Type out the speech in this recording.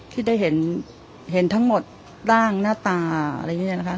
ที่ได้เห็นทั้งหมดร่างหน้าตาอะไรอย่างนี้นะคะ